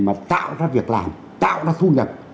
mà tạo ra việc làm tạo ra thu nhập